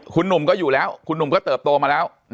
คุณหนุ่มก็อยู่แล้วคุณหนุ่มก็เติบโตมาแล้ว